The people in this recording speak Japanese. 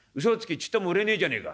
ちっとも売れねえじゃねえか！」。